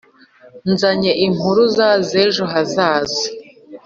Nzanye impuruza z’ejo hazaza